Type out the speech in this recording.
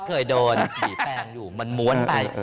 เคยโดนผีแปลงอยู่มันม้วนไป